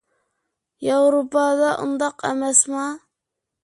ياۋروپادا ئۇنداق ئەمەسما؟